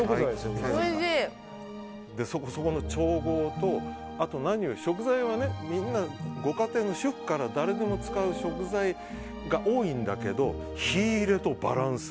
そこの調合とあと何より食材はみんなご家庭の主婦から誰でも使う食材が多いんだけど火入れとバランス